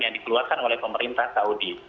yang dikeluarkan oleh pemerintah saudi